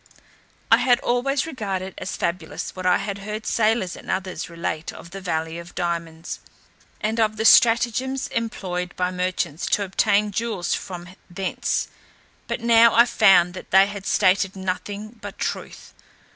I had always regarded as fabulous what I had heard sailors and others relate of the valley of diamonds, and of the stratagems employed by merchants to obtain jewels from thence; but now I found that they had stated nothing but truth.